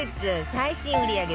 最新売り上げ